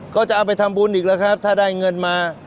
ก็จะเอาไปทำบุญอีกแล้วครับถ้าได้เงินมา